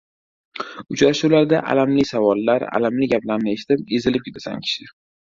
Uchrashuvlarda alamli savollar, alamli gaplarni eshitib, ezilib ketasan, kishi.